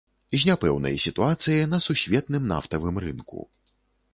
З няпэўнай сітуацыяй на сусветным нафтавым рынку.